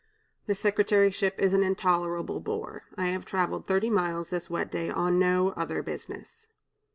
"This secretaryship is an intolerable bore. I have traveled thirty miles, this wet day, on no other business."